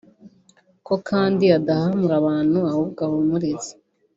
ko kandi adahahamura abantu ahubwo ahumuliza